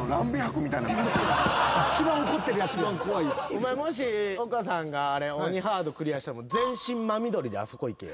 お前もし丘さんが鬼ハードクリアしたら全身真緑であそこ行けよ。